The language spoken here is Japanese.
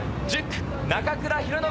１０区中倉啓